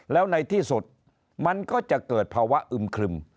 แล้วในที่สุดมันก็จะเกิดภาวะอึมครึม